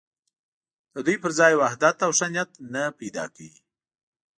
د دوی پر ځای وحدت او ښه نیت نه پیدا کوي.